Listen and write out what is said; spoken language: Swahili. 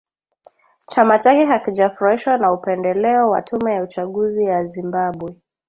chama chake hakijafurahishwa na upendeleo wa tume ya uchaguzi ya Zimbabwe